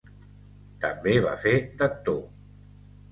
També va fer d'actor.